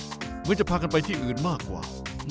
เหมือนจะพากันไปที่อื่นมากกว่า